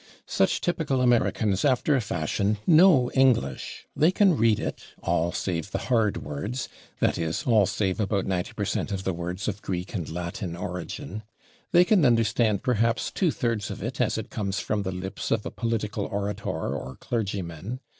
Such typical Americans, after a fashion, know English. They can read it all save the "hard" words, /i. e./, all save about 90 per cent of the words of Greek and Latin origin. They can understand perhaps two thirds of it as it comes from the lips of a political orator or clergyman.